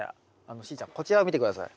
しーちゃんこちらを見て下さい。